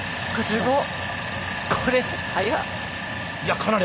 すごっ。